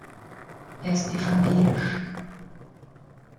Er ist evangelisch.